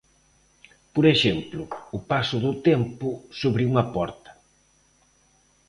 Por exemplo, o paso do tempo sobre unha porta.